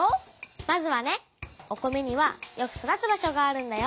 まずはねお米にはよく育つ場所があるんだよ。